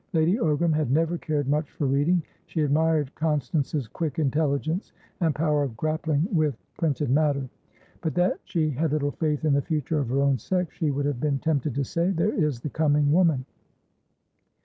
Lady Ogram had never cared much for reading; she admired Constance's quick intelligence and power of grappling with printed matter. But that she had little faith in the future of her own sex, she would have been tempted to say: "There is the coming woman."